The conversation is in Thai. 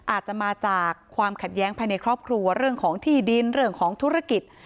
อาจจะมาจากความขัดแย้งภายในครอบครัวเรื่องของที่ดินเรื่องของธุรกิจ